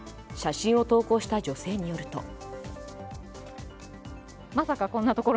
写真を投稿した女性によると。